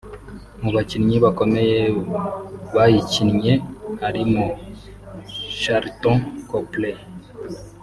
Mu bakinnyi bakomeye bayikinnye harimo Sharlto Copley